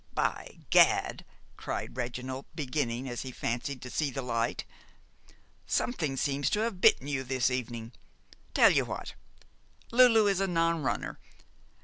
"By gad!" cried Reginald, beginning, as he fancied, to see light, "something seems to have bitten you this evening. Tell you what Lulu is a non runner.